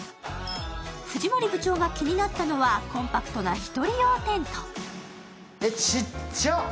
藤森部長が気になったのはコンパクトな１人用テントちっちゃ！